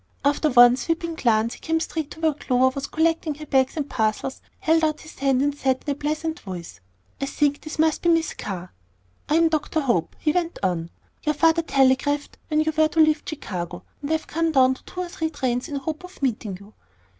After one sweeping glance, he came straight to where Clover was collecting her bags and parcels, held out his hand, and said in a pleasant voice, "I think this must be Miss Carr." "I am Dr. Hope," he went on; "your father telegraphed when you were to leave Chicago, and I have come down to two or three trains in the hope of meeting you."